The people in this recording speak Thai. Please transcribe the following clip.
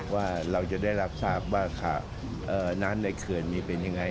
ว่าเราจะได้รับทราบว่าน้ำในเขื่อนนี้เป็นยังไง